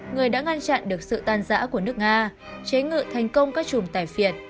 người đã ngăn chặn được sự tan giã của nước nga chế ngự thành công các chùm tài phiệt